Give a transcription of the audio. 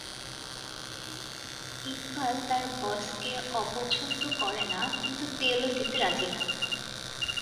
ইকবাল তার বসকে অপছন্দ করে না, কিন্তু তেল দিতেও রাজি না।